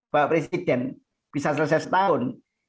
pak presiden bisa selesai setahun